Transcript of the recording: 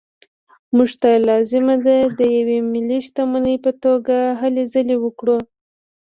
موږ ته لازمه ده د یوې ملي شتمنۍ په توګه هلې ځلې وکړو.